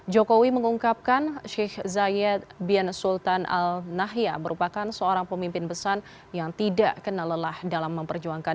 jokowi mengungkapkan syekh zayed bin sultan al nahya merupakan seorang pemimpin besar yang tidak kena lelah dalam memperjuangkan